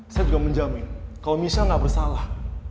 saya juga menjamin kalo michelle gak bersalah